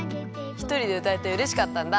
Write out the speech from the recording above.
ひとりでうたえてうれしかったんだ。